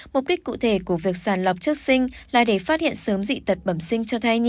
mục đích cụ thể của việc sàng lọc trước sinh là để phát hiện sớm dị tật bẩm sinh cho thai nhi